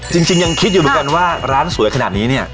จริงยังคิดอยู่เหมือนกันว่าร้านสวยขนาดนี้เนี่ย